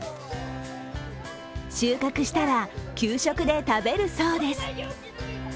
収穫したら給食で食べるそうです。